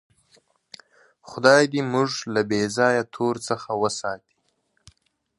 خدای دې موږ له بېځایه تور څخه وساتي.